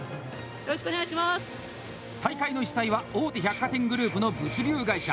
大会の主催は大手百貨店グループの物流会社。